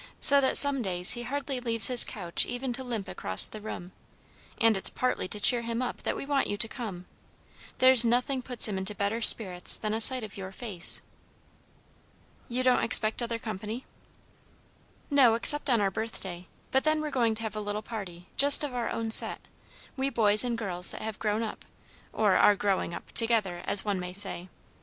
so that some days he hardly leaves his couch even to limp across the room, and it's partly to cheer him up that we want you to come. There's nothing puts him into better spirits than a sight of your face." "You don't expect other company?" "No, except on our birthday; but then we're going to have a little party, just of our own set, we boys and girls that have grown up or are growing up together, as one may say.